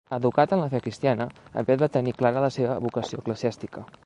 Educat en la fe cristiana, aviat va tenir clara la seva vocació eclesiàstica.